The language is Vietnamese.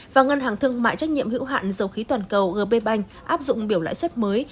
và ngân hàng thương mại trách nhiệm hữu hạn dầu khí toàn cầu gb bank áp dụng biểu lãi suất mới